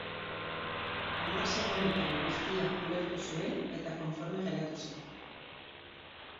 Hamar segundotan guztia ulertu zuen eta konforme geratu zen.